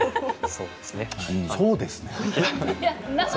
そうですね？